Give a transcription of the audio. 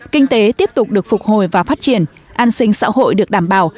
kinh tế tiếp tục được phục hồi và phát triển an sinh xã hội được đảm bảo